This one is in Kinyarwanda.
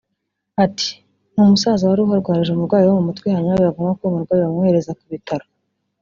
Ati “Ni umusaza wari uharwarije umurwayi wo mu mutwe hanyuma biba ngombwa ko uwo murwayi bamwohereza ku bitaro